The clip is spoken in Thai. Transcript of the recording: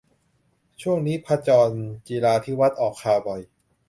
ช่วงนี้ พชร จิราธิวัฒน์ ออกข่าวบ่อย